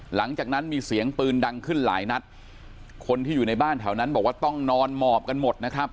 หลังจากนั้นมีเสียงปืนดังขึ้นหลายนัดคนที่อยู่ในบ้านแถวนั้นบอกว่าต้องนอนหมอบกันหมดนะครับ